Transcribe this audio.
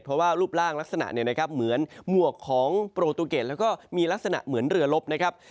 เพราะว่ารูปร่างรักษณะเหมือนหมวกของโปรตุเกดแล้วก็มีลักษณะเหมือนเรือลบ